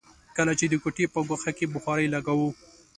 کله چې د کوټې په ګوښه کې بخارۍ لګوو.